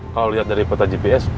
kalau lihat dari peta gps